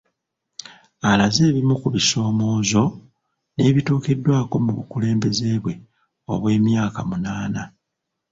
Alaze ebimu ku bisoomoozo n'ebituukiddwako mu bukulembeze bwe obw'emyaka munaana